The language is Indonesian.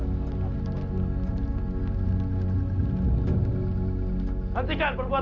nantikan perbuatan kalian